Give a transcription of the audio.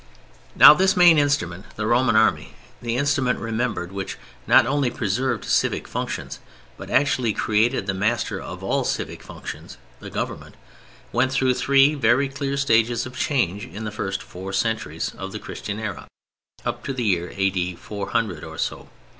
Now this main instrument, the Roman Army—the instrument, remember, which not only preserved civil functions, but actually created the master of all civic functions, the Government—went through three very clear stages of change in the first four centuries of the Christian era—up to the year A.D. 400 or so.